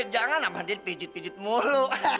jangan sama dia pijit pijit mulu